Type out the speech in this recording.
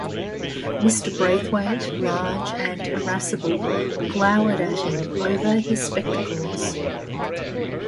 Mr. Braithwaite, large and irascible, glowered at him over his spectacles.